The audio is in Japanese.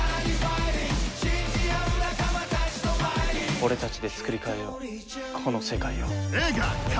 俺たちでつくり変えようこの世界を。